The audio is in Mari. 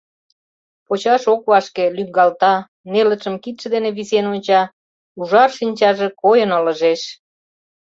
Почаш ок вашке, лӱҥгалта, нелытшым кидше дене висен онча, ужар шинчаже койын ылыжеш.